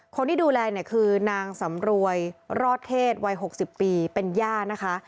คนที่ดูแลเนี่ยคือนางสำรวยรอดเทศวัย๖๐ปีเป็นย่านะคะ